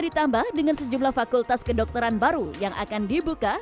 ditambah dengan sejumlah fakultas kedokteran baru yang akan dibuka